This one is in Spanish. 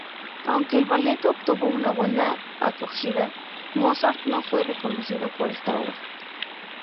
Aunque el ballet obtuvo una buena acogida, Mozart no fue reconocido por esta obra.